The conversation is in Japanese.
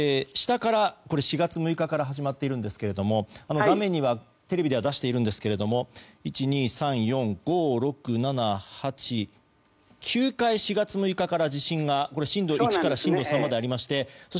４月６日から始まっているんですけれども画面には、テレビでは出しているんですが９回、４月６日から震度１から震度３までありまして。